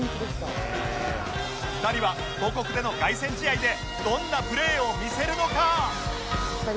２人は母国での凱旋試合でどんなプレーを見せるのか？